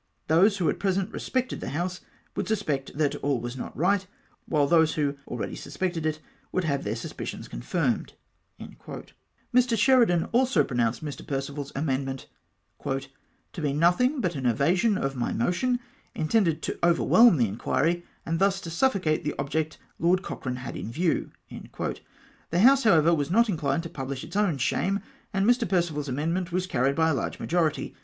Those who at present respected the House would suspect that all was not right ; whilst those who already suspected it would have their suspicions con firmed." Mr. Sheridan also pronounced ]\ir, Perceval's amend ment " to be notliing but an evasion of my motion, intended to overwhelm the inquuy, and thus to suffo cate the object Lord Cochrane had in view." The House, however, was not inclined to pubhsh its own shame, and Mr Perceval's amendment was carried by a large majority.